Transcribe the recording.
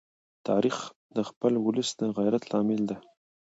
تاریخ د خپل ولس د غیرت لامل دی.